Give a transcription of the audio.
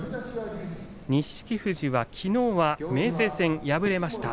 錦富士、きのうは明生戦、敗れました。